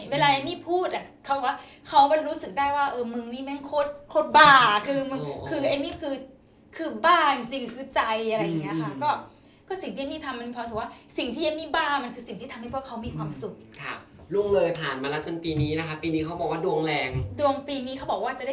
เวลาเอมี่พูดเขาก็รู้สึกได้ว่ามึงนี่แม่งโคตรบ้าเอมี่คือบ้าจริงคือใจ